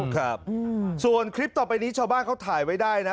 ครับส่วนคลิปต่อไปนี้ชาวบ้านเขาถ่ายไว้ได้นะ